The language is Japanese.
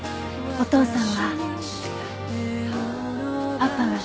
お父さん。